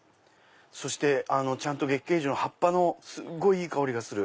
そしてちゃんと月桂樹の葉のすっごいいい香りがする。